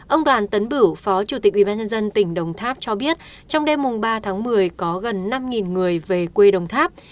ông đoàn tấn bửu phó chủ tịch ubnd tỉnh đồng tháp cho biết trong đêm ba tháng một mươi có gần năm người về quê đồng tháp